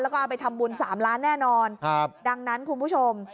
แล้วก็เอาไปทำบุญสามล้านแน่นอนครับดังนั้นคุณผู้ชม